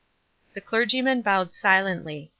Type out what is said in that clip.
The clergyman bowed silently.